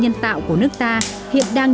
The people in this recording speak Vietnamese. nhân tạo của nước ta hiện đang